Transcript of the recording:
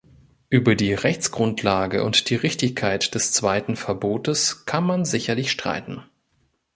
Über die Rechtsgrundlage und die Richtigkeit des zweiten Verbotes kann man sicherlich streiten.